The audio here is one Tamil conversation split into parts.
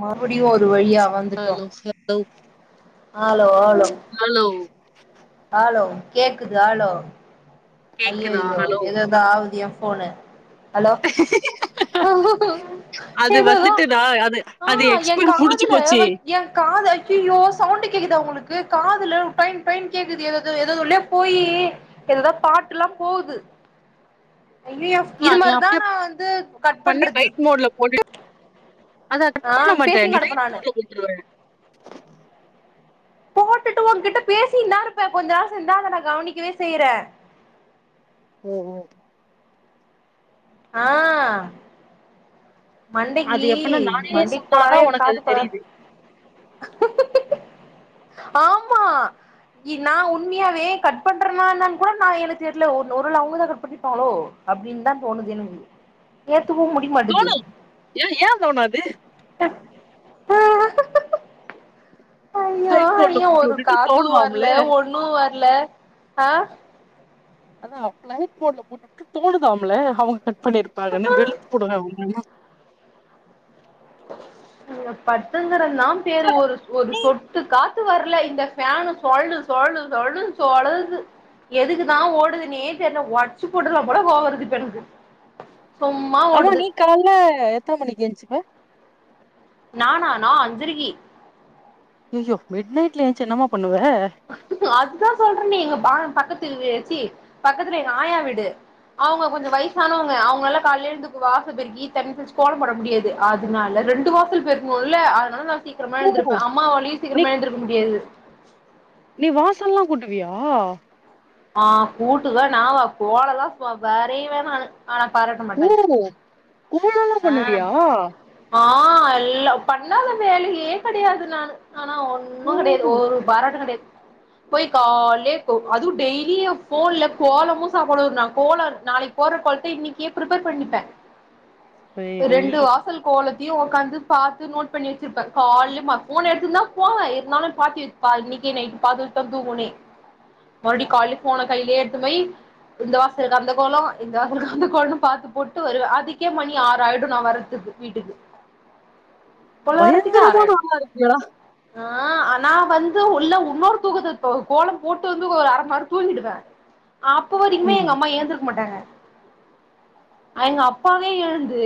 மறுபடியு ஒரு வழியா ஹலோ செல்த்தோ ஆலோ ஆலோ அலோ அலோ கேக்குது அலோ ஐய்யோ கேக்குதா எதோ ஹலோ எதோ ஆவுது ஏ ஃபோனு ஹாலோ ஆ அது ஏதோ எதோ வந்துட்டு நா அது அது ஏ எக்ஸ்பெரிமெண்ட் முடிஞ்சு காதுல போச்சு ஏ காது அய்யய்யோ சவுண்ட்டு கேக்குதா ஒங்களுக்கு காதுல டொய்ன் டொய்ன் கேக்குது எதேதோ எதோதுள்ளயோ போயி எதேதோ பாட்டெல்லா போது அய்யய்யோ ஆ இது நீ மாரி தா அப்டியே நா வந்து கட் பண்றது அதா கட் ஆ பண்ண மாட்ட பேசினு நீ கெடப்பே ஃபிளைட் நானு மோட்ல போட்ருவ திட்டு ஓன் கிட்ட பேசின் தா இருப்பே கொஞ்ச நேரோ செண்டு தா அத நா கவனிக்கவே செய்றே உம் உம் ஆ மண்டைக்கு அது எப்பனா நானே மண்டைக் சொன்னாதா கோளாறா ஏ உனக்கு அது காது கோளா தெரியுது ஆமா ஏ நா உண்மையாவே கட் பண்றனா என்னென்னு கூட நா எனக்கு தெர்ல ஒருவேள அவுங்க தா கட் பண்ணி இருப்பாங்களோ அப்டின்னு தான் தோணுது எனக்கு ஏத்துக்கவு முடிக்மாட்டுது ஏன் ஏன் தோணாது அ ஐயோ ஃப்ளைட் மோட்ல ஐயோ போட்டு ஒரு வுட்டுட்டு காத்து வரல தோணுதாம்ல ஒண்ணு வர்ல ஆ அதா ஃபிளைட் மோட்ல போட்டுட்டு தோணுதாம்ல அவுங்க கட் பண்ணிருப்பாகன்னு வெளுத்து புடுவே உன்ன அ பத்துன்கிறன்தாம் பேரு ஒரு ஒரு சொட்டுக் காத் த்து வர்ல இந்த ஃபேனுு சொழ்ண்டு சொழ்ண்டு சொழ்ண்டுனு சொழர்து எதுக்குதா ஓடுதுன்னே தெர்ல ஒட்ச்சு போட்றலா போல கோவருது இப்ப எனக்கு சொம்மா ஆமா ஓடுது நீ கால்ல எத்தன மணிக்கு எஞ்சுப்ப நானா நா அஞ்சரைகி அய்யயோ மிட் நைட்ல ஏஞ்சு என்னமா பண்ணுவ அதுதா சொல்றனே எங்க பா பக்கத்து வே ச்சீ பக்கத்துல எங்க ஆயா வீடு அவுங்க கொஞ்ச வயசானவங்க அவுங்களால கால்ல எழுந்து வாச பெருக்கி தண்ணி தெளிச்சி கோலம் போட முடியாது அதனால ரெண்டு வாசல் பெருக்குனொல்ல அதனால நா சீக் கிரமா ஓ எழுந்திருப்பே அம்மாவாலியு நீ சீக்கிரமா எழுந்திருக்க முடியாது நீ வாசல்லா கூட்டுவியா ஆ கூட்டுவே நா கோலல்லாம் போ வரையுவே நானு ஆனாப் பாராட்ட மாட்டாங்க கோலல்லாம் ஆ பண்ணுவியா ஆ எல்லா பண்ணாத வேலையே கெடையாது நானு ஆனா ஓ ஒன்னு கிடையாது ஒருப் பாராட்டு கெடையாது போய் கால்லியேக்கு அதுவு டெய்லியு ஃபோன்ல கோலமு சாப்பாடுர் நா கோலர் நாளைக் போர்ற கோலத்த இன்னைக்கே ப்ரிப்பர் பண்ணிப்பே சேரி ரெண்டு வா சல் கோலத்தியு ஒக்காந்து பாத்து நோட் பண்ணி வச்சிருப்பே கால்ல மக் ஃபோன் எடுத்துன்தா போவே இருந்தாலு பாத்தி வெச் பால் இன்னைக்கே நைட்டு பாத்துட்தா தூங்குவனே மறுபடியு கால்ல ஃபோனக் கைலியே எடுத்துன் போயி இந்த வாசலுக்கு அந்த கோல இந்த வாசலுக்கு அந்த கோலன்னு பாத்து போட்டு வருவே அதுக்கே மணி ஆறு ஆயிடு நா வரத்துக்கு வீட்டுக்கு போல வர்றதுக்கே பயங்கரமான ஆறாயிடு ஆளா இருக்கியேடா ஆ ஆனா வந்து உள்ள வுன்னொரு தூக்கத்தத் தோ கோலம் போட்டு வந்து ஒரு அர மண் நேர தூங்கிடுவே அப்ப வரைக்குமே எங்க ம் அம்மா ஏந்திருக்க மாட்டாங்க எங்க அப்பாவே எழுந் து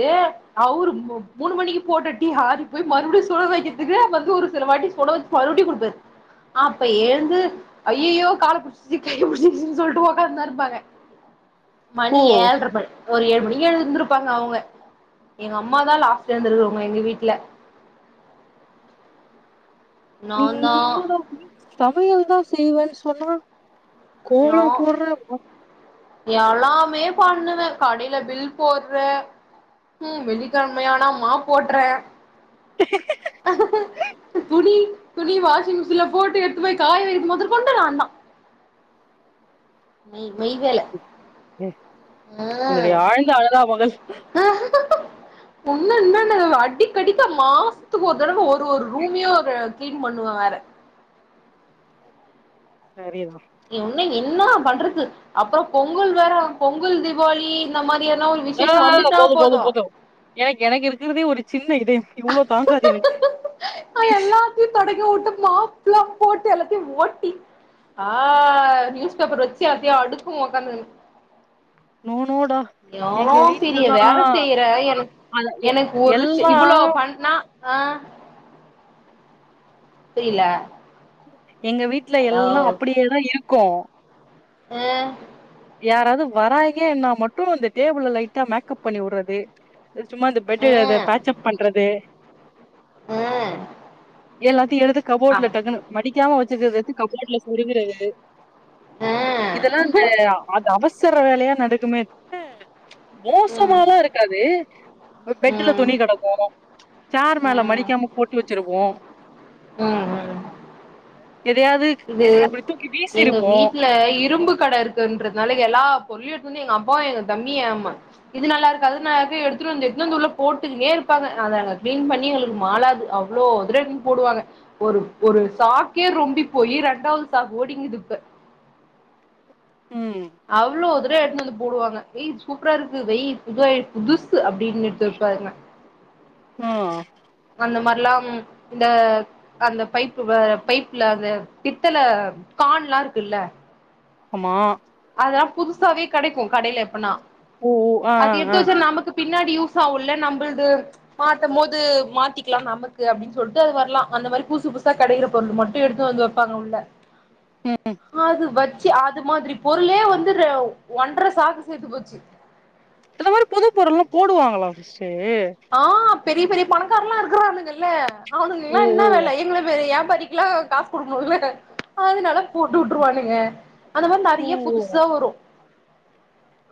அவுரு மூ மூனு மணிக்கு போட்ட டீ ஆறிப் போய் மறுபடியு சுட வக்கிறதுக்கு வந்து ஒரு சில வாட்டி சுட வச் மறுப்டி குடிப்பர் அப்ப ஏழ்ந்து ஐயையோ காலப் பிடிச்சுச்சி கைய பிடிச்சிச்சின் சொல்ட்டு ஒக்காந்தா இருப்பாங்க ஓ மணி ஏழ்ற மணி ஒரு ஏழு மணிக்கு எழுந்துருப்பாங்க அவுங்க எங்கம்மாதா லாஸ்ட் எழுந்திருக்கறவுங்க எங்க வீட்ல நா நீ தா இன்னடா மீன்ஸ் சமையல்தா செய்வேன் சொன்னா நோ கோலோ போட்ற எல்லாமே பண்ணுவே கடைல பில் போட்ற ம் வெள்ளிக்கிழமையான மாப் போட்றே துணி துணி வாஷிங் மிஷின்ல போட்டு எட்த்து போய் காய வக்கும் மொதற் கொண்டு நாந்தா மை மை வேல என்னுடைய ஆழ்ந்த அனுதாபங்கள் ஒன்ன என்னன்ன அவ அடிக்கடிக்க மாசத்துக்கு ஒரு தடவ ஒர் ஒரு ரூம்யு ஒரு கிளீன் பண்ணுவே வேற சரிதா இ வுன்னு இன்னா பண்றது அப்பற பொங்கல் வேற பொங்கல் தீபாவளி இந்த மாரியான ஒரு ஏ விசேஷோ வந்துட்டா போது போது போது எனக்கு எனக்கு இருக்கறதே ஒரு சின்ன இதய இவ்ளோ தாங்காது எனக்கு பீஸ் தி தொடங்கி வுட்டு மாப்ளாம் போட்டு எல்லாத்தியு ஓட்டி ஆ நியூஸ் பேப்பர் வச்சி எல்லாத்தியு அடுக்குவொ ஒக்காந்துகுனு நோ நோ டா எவளோ பெரிய வேலை செய்யறேன் என அத எ எனக்கு ஒரு எல்லா இவ்ளோ ப நா ஆ புரியல எங்க வீட்டுல எல்லாம் அப்டியேதான் இருக்கும் ம் யாராவது வராங்கேன்னா மட்டும் இந்த டேபிள்ள லைட்டா மேக்கப் பண்ணிவிடுறது சும்மா அந்த பெட்டு அ பேச்சப் பண்றது ம் எல்லாத்தையும் எடுத்து கபோர்ட்ல டக்குனு மடிக்காம வச்சுக்கறதுக்கு கபோர்ட்ல சொருகறது இதெல்லாம் இந்த அந்த அது அவசர வேலையா நடக்குமே ம் மோசமாலா இருக்காதே பெட்டுல ம் துணி கெடக்கும் சார் மேல ம் மடிக்காம போட்டி வச்சிருவோம் ம் ம் எதையாவது இது இப்டி தூக்கி எங்க வீசிருப்போ வீட்டுல இரும்பு கடை இருக் குன்றதுனால எல்லா பொருளியும் எடுத்துனு வந்து எங்க அப்பா எங்க தம்பி யா அம்மா இது நல்லாருக்கு அது நல்லாருக்கு எடுத்துட்டு வந்து எடுத்துட்டு வந்து உள்ள போட்டுக்கிட்டே இருப்பாங்க அதை நாங்க கிளீன் பண்ணி எங்களுக்கு மாலாது அ அவ்வளோ [unintelligible] போடுவாங்க ஒரு ஒரு சாக்கே ரொம்பி போயி ரெண்டாவது சாக்கு ஓடிங்குது இப்ப ம் அவ்ளோ தூர எடுத்து வந்து போடுவாங்க ஏ சூப்பரா இருக்கு வெய் புதுஐ புதுசு அப்டின்னு எடுத்து வப்பாங்க ம் அந்த மாரிலாம் இந்த அந்த பைப்பு பைப்புல அந்த பித்தல கான்லாம் இருக்குல்ல ஆமா அதலாம் புதுசாவே கெடைக்கும் கடையில எடுத்தோனா ஓ ஓ ஆ அது ஆ ஆ எடுத்து வச்சா நமக்கு பின்னாடி யூஸ் ஆகும்ல நம்புளுது மாத்தும் போது மாத்திக்கலாம் நமக்கு அப்டின்னு சொல்லிட்டு அது வரலாம் அந்த மாதிரி புதுசு புதுசா கெடைக்கிற பொருள் மட்டும் எடுத்து வந்து பாப்பாங்க உள்ள ம் அது வச்சு அது மாதிரி பொருளே வந்து ஒன்றரை சாக்கு சேந்து போச்சு இந்த மாதிரி புது பொருள்லாம் போடுவாங்களா ஃப்ஸ்டு ஆ பெரிய பெரிய பணக்காரலாம் இருக்கரானுங்கல்ல ஓ அவனுக்கெல்லாம் என்னா ஓ வேலை எங்களுக்கு ஏ படிக்கலா காசு கொடுக்கணும்ல்ல அதனால போட்டு விட்டுருவானுங்க அந்த மாதிரி ஓ நெறைய ஓ புதுசா வரும்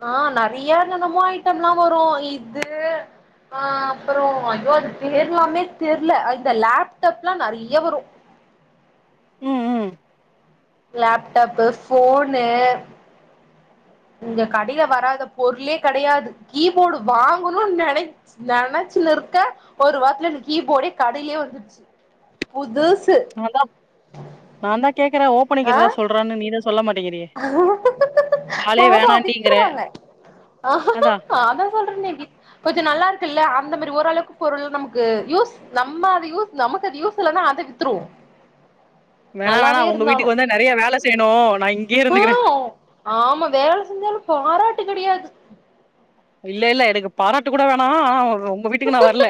ஆ நெறைய தினமும் ஐட்டம்லாம் வரும் இது அ அப்றம் ஐயோ அது பேர்லாமே தெரில இந்த லேப்டாப்ல்லாம் நெறைய வரும் ம் ம் லேப்டப்பு போஃனு இந்த கடைல வராத பொருளே கெடையாது கீபோர்டு வாங்கணும்னு நெனைக் நெனைச்சு இருக்க ஒரு வாரத்துல கீபோடு கடையிலயே வந்துருச்சு புதுசு நான் தான் நான் தான் கேக்குறேன் ஓப்பண்ணிக்கிறதா சொல்றேன்னு நீதான் சொல்ல மாட்டேங்கிறிய ஆ மாரா வித்துருவாங்க அதா நாதா சொல்ரனே வித் கொஞ்ச நல்லா இருக்குல அந்த மாரி ஓரளவுக்கு பொருள் நமக்கு யூஸ் நம்ம அத யூஸ் நமக்கு அது யூஸ் இல்லன்னா அதை வித்துருவோம் வேணா வேணா உங்க வீட்டுக்கு வந்த நேறைய வேல செய்யணு நா இங்கே இருந்துக்கிறே க ஆமா வேல செஞ்சாலும் பாராட்டு கிடையாது இல்ல இல்ல எனக்கு பாராட்டு கூட வேணாம் ஆனா ரொம்ப உங்க வீட்டுக்கு நான் வரல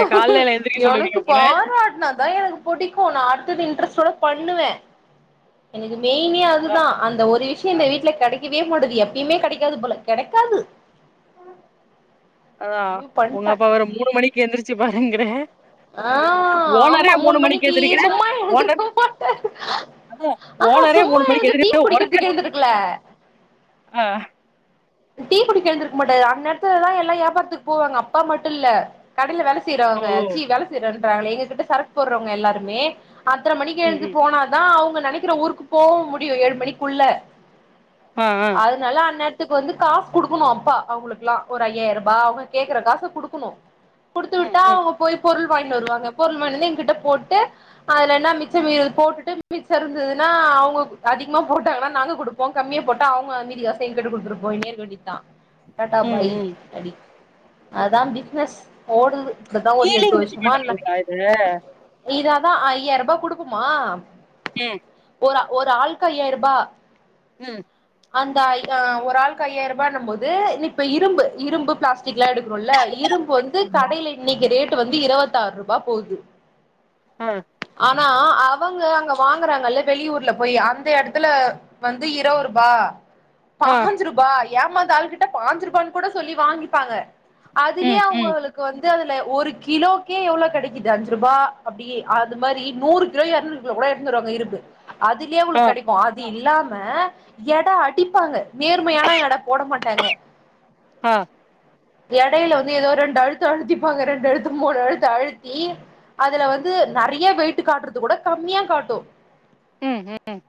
ஏ காலில எழுந்திருக்க சொல்லுவீங்க போல ட்டன தான் ஏனக் புடிக்கும் நான் அடுத்தது இன்ட்ரஸட பண்ணுவேன் எனக்கு மெயினே அதா அதுதான் அந்த ஒரு விஷ இந்த வீட்டுல கிடைக்கவே மாடியது எப்பயுமே கிடைக்காது போல கிடைக்காது அதான் முடிவு உங்க பண்ட்டே அப்பா வேற மூணு மணிக்கு எந்திச்சுபாருங்கிற ஆ ஆமா ஓனரே மூணு மணிக்கு ஏத்திருக்கிற சும்மா ஓனர் எழுந்திருக்க மாட்டே அத ஆஹா ஓனரே சும்மா மூணு மணிக்கு எழுந்து டீ எதுக்க ஒனக்கேன் குடிக்கிறதுக்கு எழுந்திருக்கல ஆ டீ குடிக்க எழுந்திருக்க மாட்டாது அந்த நேரத்துலதான் எல்லாம் வியாபாரத்துக்கு போவாங்க அப்பா மட்டும் இல்ல கடையில வேலை ஓ ஓ செய்யறவங்கச்சீ வேலை செய்யறன்றாங்களே எங்ககிட்ட சரக்கு போடுறவங்க எல்லாருமே பத்ரமணிக்கு ம் எழுந்து ம் போனாதா அவுங்க நெனைக்கிற ஊருக்கு போவ முடியு ஏழுமணிக்குள்ள ஆ ஆ அதனால அந்நேரத்துக் இப்பவந்து காசு குடுக்கணு அப்பா அவுங்களுக்குலா ஒரு ஐயாயிர்பா அவுங்க கேக்குற காச குடுக்கணு குடுத் ம் ஹம் போய் பொருள் வாய்ன்வருவாங்க பொருள் வாய்னு எங்கிட்ட போட்டு அதுலென்னா மிச்சம் மீதி ஒரு போட்டுட்டு மிச்சம் இருந்ததுன்னா அவுங்க அதிகமா போட்டாங்கன்னா நாங்க குடுப் இவ்ளோ கம்மியா போட்டா அவுங்க மீதி காச என் கிட்ட குடுத்துரு போய்னே இருக்க வேண்டிதா டாடா ம் பாய் ம் அடி அதான் பிஸ்னஸ் ஓடுது இப்போதா ஒரு எட்டு கீலிங் வச்சு வருசமா பண்ணுவீங்களா இத இதாதா ஐயாயிரூபா குடுக்குமா ம் ஒரு ஒரு ஆளுக்கு ஐயாயிரூபா ம் அந்த ஐ அ ஒர் ஆள் ஒரு ஆளுக்கு ஐயாயிரம் ரூபாய் நம்பல்து இப்ப இரும்பு இரும்பு பிளாஸ்டிக்லா எடுக்குறேம்ல்ல இரும்பு வந்து கடைல இன்னிக்கு ரேட்டு் வந்து இருபத்தாறூபா போகுது ஆ ஆனா அவங்க அங்க வாங்கறாங்கல்ல வெளியூர்ல போய் அந்த எடத்துல வந்து இரோரூபா ஆ பாஞ்சு ரூபா ஏமாந்த ஆள் கிட்ட பாஞ்சு ரூபான்னு கூட சொல்லி வாங்கிப்பாங்க அதுலயே ம் ம் அவுங்களுக்கு கோ வந்து அதுல ஒரு கிலோக்கே எவ்ளோ கிடைக்குது அஞ்சு ரூபா அப்டியே அது மாதிரி நூறு கிலோ எறநூறு கூட எடுத்துனுவருவாங்க இரும்பு அதுலயே ஆ உங்களுக்கு கெடைக்கூ அது இல்லாம எட அடிப்பாங்க நேரு கூர்மையானா எட போட மாட்டாங்க ஆ எடையில வந்து ஏதோ ரெண்டு அழுத்து அழுத்திப்பாங்க ரெண்டு அழுத்து மூணு அழுத்து அழுத்தி அதுல வந்து நறைய வெயிட்டு் காட்டுறது கூட கம்மியா காட்டும் ம் ம்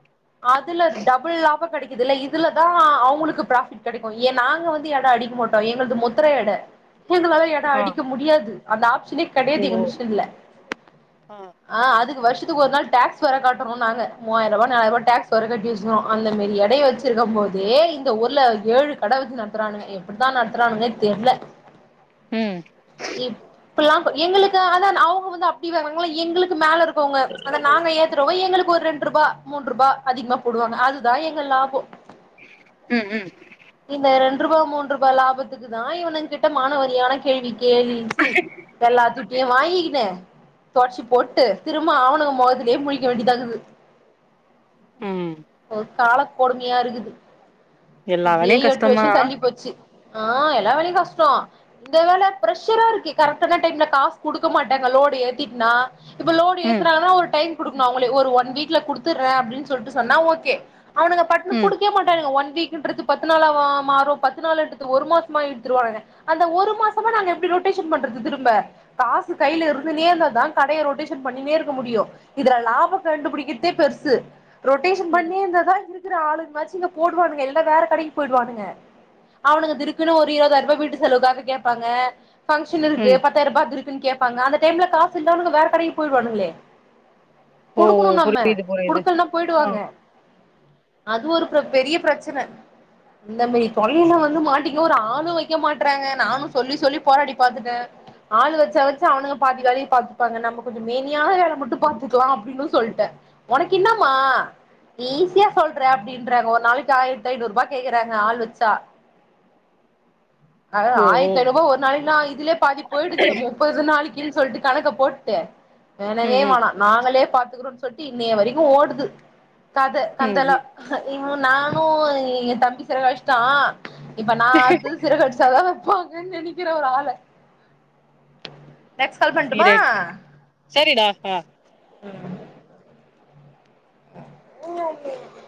அதுல டபுள் லாபம் கிடைக்குது இல்ல இதுலதான் அவ் உங்களுக்கு ப்ரஃபிட் கெடைக்கூ ஏ நாங்க வந்து எட அடிக்க மாட்டோ எங்களது முத்திர எட [unintelligible] ஆ அடிக்க முடியாது அந்த ஆப்ஷனே ஓ கெடையாது எங்க மிஷின்ல ஆ அதுக்கு வருஷத்துக்கு ஒரு நாள் டேக்ஸ் வேற கட்டணுனாங்க மூவாயிருபா நாலாயிருபா டேக்ஸ் வேற கட்டி வச்சின்னு அந்த மாரி எடைய வச்சு சிருக்கும் போதே இந்த ஊர்ல ஏழு கட வச்சு நடத்துறானுங்க எப்படித்தான் நடத்துறானுங்கன்னே தெர்ல ம் இப் ப்பலாம் எங்களுக்கு அத அவங்க வந்து அப்படி எங்களுக்கு மேல இருக்கவங்க அத நாங்க ஏ குரவங்க எங்களுக்கு ஒரு ரெண்டு ரூபா மூன்று ரூபா அதிகமா போடுவாங்க அதுதான் எங்க லாபம் உம் உம் இந்த ரண்டு ரூபாய் மூணு ரூபாய் லாபத்துக்கு தான் இவனுகிட்ட மானவரியான கேள்வி கே கேலிசி எல்லாத்த ஏன் வாங்கின்னு தொடச்சி போட்டு திரும்ப அவணுங்க முகத்திலேயே முழிக்க வேண்டியதாக்குது ம் ஒரு காலக்கொடுமையா இருக்குது எல்லா இப்டியே வேலையு எட்டு கஷ்டந்தா வருஷம் தள்ளி போச்சு ஆ எல்லா வேலையும் கஷ்டோ இந்த வேல பிர்ரெஷரா இருக்கு கரெக்டான டைம்ல காசு குடுக்க மாட்டாங்க லோடு ஏத்தீட்டினா இப்ப லோடு ம் ஏத்துனாலு ஒரு டைம் குடுக்கணும் அவுங்களே ஒரு ஒன் வீக்ல குடுத்துடுறேன் அப்டின்னு சொல்லிட்டு சொன்னா ஓகே அவனுங்க பட் ம் விட மாட்டங்க ஒன் வீக்ன்றது பத்து நாளா மா மாறும் பத்து நாள் எடுத்துட்டு ஒரு மாசமா இழுத்துருவாங்க அந்த ஒரு மாசமா நாங்க எப்டி ரொட்டேஷன் பண்றது திரும்ப காசு கையில இருந்துன்னே இருந்தா தா கடையை ரொட்டேஷ பண்ணினே இருக்க முடியு இதுல லாபம் கண்டுபுடிக்கிறதே பெருசு ரொட்டேஷன் ம் பண்ணினே இருந்தா இருக்கிற ஆளுங்களா ச்சு இத போட் போவானுங்க எல்லா வேற கடைக்கி போயிடுவானுங்க அவனுக்கு திடிக்குன்னு ஒரு இருபதாயிருபா வீட்டு செலவுக்காக கேப்பாங்க பங்க்ஷன் இருக்கு ம் பத்தாயிரம் ரூபாயக்கு இருக்குன்னு கேட்பாங்க அந்த டைம்ல காசு இல்லனுக்கு வேற கடைக்கு போயிருவாங்கலே ஓ ஓ குடுக்கணும் நம்ம புரியுது புரியுது குடுக்கலனா ஆ போயிடுவாங்க அது ஒரு பிர பெரிய பிரச்சன இந்த மாரி தோல்லையில வந்து மாட்டிக்கோவோம் ஒரு ஆளும் வைக்க மாட்டறாங்க நானும் சொல்லி சொல்லி போராடி பாத்துட்ட ஆள் வச்சா வச்சா அவனுங்க பாதி வேலைய பாது ப்பாங்க நம்ம கொஞ்சோ மேனியான வேலை மட்டும் பாத்துக்கலாம் அப்படின்னு சொல்ட்ட உனக்கு என்னமா நீ ஈஸியா சொல்ற அப்படின்றாங்க ஒரு நாளைக்கு ஆயிரத்து ஐநூறு ரூபா கேக்குறாங்க ஆள் வச்சா அத ஓ ஓ ஆயிரத்திஐநூறு ரூபா ஒரு நாளைக்கினா இதுலயே பாதி போயிடுதே மோ ப்பது நாளைக்குனு சொல்லிட்டு கணக்க போட்டு ம் வேனவே ம் வேணாம் நாங்களே பாத்துக்குறோ சொல் சொட்டி இன்னே வரைக்கும் ஓடுது கத ம் கந்தலா ம் இ நான் கு எங்க தம்பி செலவலிச்சிட்டான் இப்ப நான் அடுத்தது சிரகடிச்சதா வேப்பாங்க நினைக்கிற ஒரு ஆள நெக்ஸ்ட் கால் பண்ட்டுமா சீரக் சரிடா ஆ ம் [unintelligible]